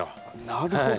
なるほど！